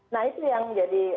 nah itu yang jadi